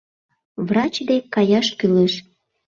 — Врач дек каяш кӱлеш.